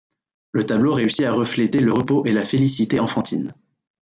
Le tableau réussit à refléter le repos et la félicité enfantine.